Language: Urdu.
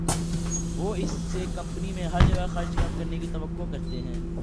وہ اس سے کمپنی میں ہر جگہ خرچ کم کرنے کی توقع کرتے ہیں